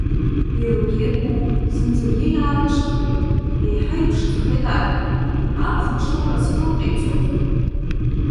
Еилгеит моу, зынӡагьы иаалашахеит, еиҳа иԥшӡахеит адгьыл, аԥхын шоура зхылҟьа ицоз…